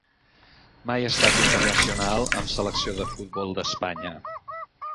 Mai ha estat internacional amb selecció de futbol d'Espanya.